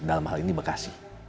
dalam hal ini bekasi